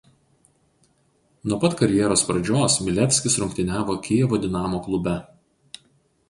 Nuo pat karjeros pradžios Milevskis rungtyniavo Kijevo „Dinamo“ klube.